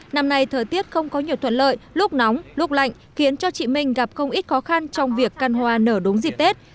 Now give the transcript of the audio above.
năm nay thời tiết không có nhiều thuận lợi lúc nóng lúc lạnh khiến cho chị minh gặp không ít khó khăn trong việc căn hoa nở đúng dịp tết